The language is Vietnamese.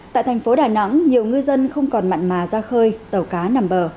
tại thành phố đà nẵng nhiều ngư dân không còn mặn mà ra khơi tàu cá nằm bờ